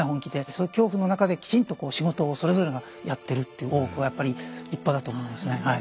その恐怖の中できちんと仕事をそれぞれがやってるっていう大奥はやっぱり立派だと思いますねはい。